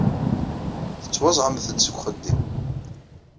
Tettwaẓẓɛemt-d seg uxeddim.